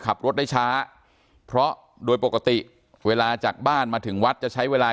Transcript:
ขับรถได้ช้าเพราะโดยปกติเวลาจากบ้านมาถึงวัดจะใช้เวลา